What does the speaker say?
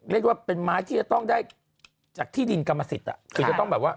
เรียกว่าเป็นไม้ที่จะต้องได้จากที่ดินกรรมสิทธิ์